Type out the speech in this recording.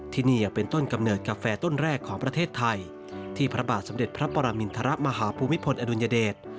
ที่นี่ยังเป็นต้นกำเนิดกาแฟต้นแรกของประเทศไทยที่พระบาทสมเด็จพระปรมินทรมาฮภูมิพลอดุลยเดช